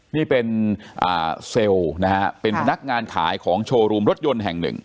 นี่เป็นเซลล์นะฮะเป็นพนักงานขายของโชว์รูมรถยนต์แห่งหนึ่ง